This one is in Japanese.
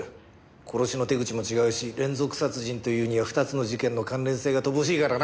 殺しの手口も違うし連続殺人というには２つの事件の関連性が乏しいからな。